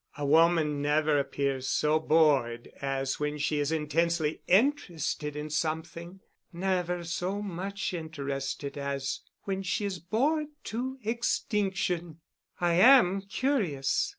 A woman never appears so bored as when she is intensely interested in something—never so much interested as when she is bored to extinction. I am curious.